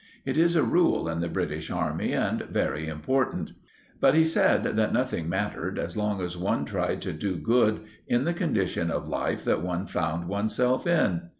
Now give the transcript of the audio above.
It is a rule in the British army and very important. But he said that nothing mattered as long as one tried to do good in the condition in life that one found oneself in.